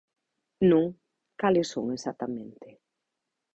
Non, cales son exactamente.